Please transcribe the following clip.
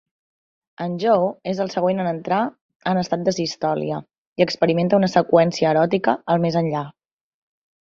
En Joe és el següent en entrar en estat d'asistòlia, i experimenta una seqüència eròtica al més enllà.